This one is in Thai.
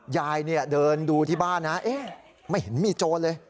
ยายเดินดูที่บ้านนะไม่เห็นมีโจรเลย